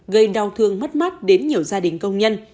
gây đau thương mất mát đến nhiều gia đình công nhân